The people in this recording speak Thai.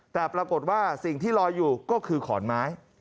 แต่ปรากฏว่าสิ่งที่ลอยอยู่ก็คือขอนไม้